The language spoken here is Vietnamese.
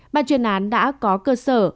ban chuyên án đã có cơ sở